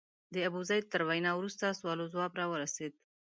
د ابوزید تر وینا وروسته سوال او ځواب راورسېد.